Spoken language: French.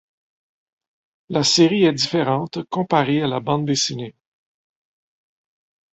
La série est différente comparée à la bande dessinée.